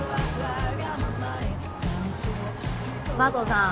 麻藤さん